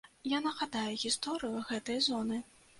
Я нагадаю гісторыю гэтай зоны.